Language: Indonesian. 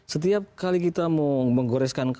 setiap kali kita mau menggoreskan